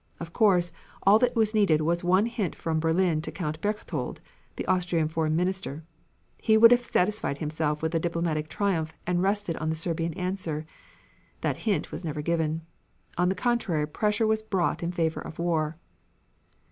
Of course, all that was needed was one hint from Berlin to Count Berchtold (the Austrian Foreign Minister); he would have satisfied himself with a diplomatic triumph and rested on the Serbian answer. That hint was never given. On the contrary, pressure was brought in favor of war....